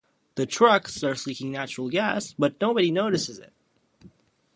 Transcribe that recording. The truck starts leaking natural gas but nobody notices it.